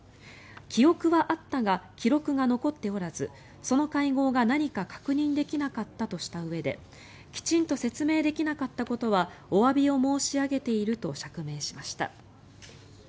記憶はあったが記録が残っておらずその会合が何か確認できなかったとしたうえできちんと説明できなかったことはおわびを申し上げていると釈明しました。